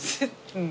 うん。